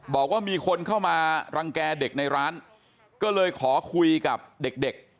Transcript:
บอกว่ามีคนเข้ามารังแก่เด็กในร้านก็เลยขอคุยกับเด็กเด็ก